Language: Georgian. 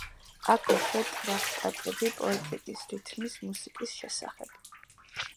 აგრეთვე ტრაქტატები პოეტიკის, რითმის, მუსიკის შესახებ.